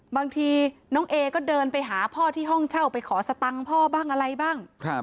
บางทีน้องเอก็เดินไปหาพ่อที่ห้องเช่าไปขอสตังค์พ่อบ้างอะไรบ้าง